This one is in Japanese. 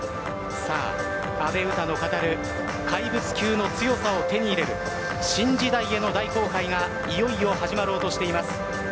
阿部詩の語る怪物級の強さを手に入れる新時代への大航海がいよいよ始まろうとしています。